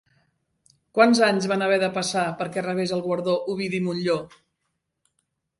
Quants anys van haver de passar perquè rebés el guardó Ovidi Montllor?